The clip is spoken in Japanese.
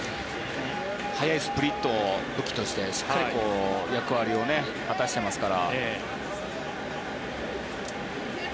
速いスプリットを武器としてしっかり役割を果たしてますから。